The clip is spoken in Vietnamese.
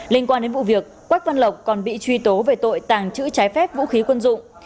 liên quan đến vụ việc quách văn lộc còn bị truy tố về tội tàng trữ trái phép vũ khí quân dụng